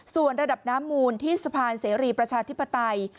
ส่วนระดับน้ำมูลที่สะพานเสรีประชาธิปไตย